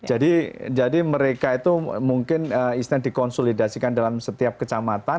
jadi jadi mereka itu mungkin istilahnya dikonsolidasikan dalam setiap kecamatan